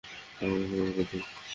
আমাকে ক্ষমা করে দিন।